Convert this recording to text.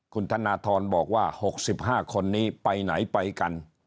คุณธนทรบอกว่า๖๕คนนี้ไปไหนไปกัน